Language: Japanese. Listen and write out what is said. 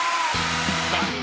［残念！